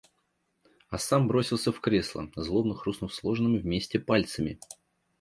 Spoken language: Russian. А сам бросился в кресло, злобно хрустнув сложенными вместе пальцами...